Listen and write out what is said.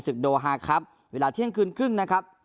โดฮาครับเวลาเที่ยงคืนครึ่งนะครับ